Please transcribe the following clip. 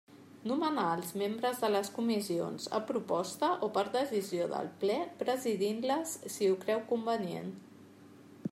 Nomenar els membres de les comissions, a proposta o per decisió del Ple, presidint-les si ho creu convenient.